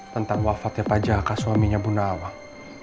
tentang wafat ya pak jaka suaminya bu nawang